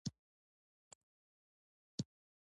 د افغان کرکټ لوبغاړي خپل ټیم ته ډېر ویاړ او افتخار راوړي.